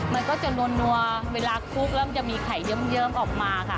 มันก็จะนัวเวลาคลุกแล้วมันจะมีไข่เยิ้มออกมาค่ะ